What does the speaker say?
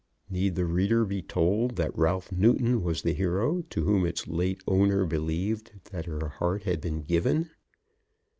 Need the reader be told that Ralph Newton was the hero to whom its late owner believed that her heart had been given?